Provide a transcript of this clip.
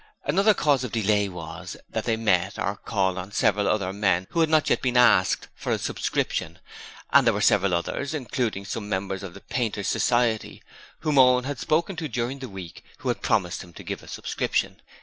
Another cause of delay was that they met or called on several other men who had not yet been asked for a subscription, and there were several others including some members of the Painters Society whom Owen had spoken to during the week who had promised him to give a subscription.